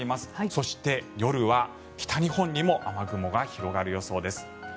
そして、夜は北日本にも雨雲が広がる予想です。